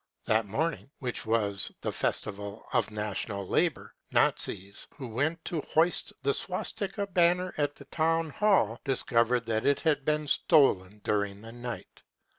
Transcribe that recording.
That morning, which was the festival of national labour, Nazis who went to hoist the swastika „ banner at the Town Hall discovered that it had been stolen during the night.